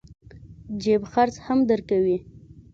جيب خرڅ هم ورکوي.